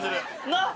なっ！